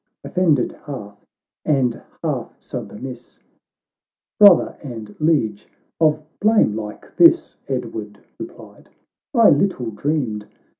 —— Offended half, and half submiss, " Brother and Liege, of blame like this," Edward replied, "I little dreamed.